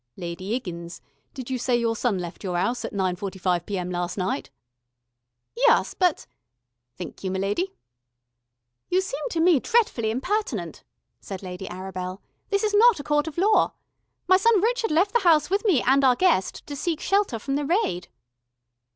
"Lady 'Iggins, did you say your son left your 'ouse at nine forty five P.M. last night?" "Yes, but " "Thenk you, my lady." "You seem to me dretfully impertinent," said Lady Arabel. "This is not a court of law. My son Rrchud left the house with me and our guest to seek shelter from the raid."